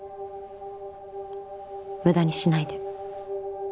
無駄にしないで。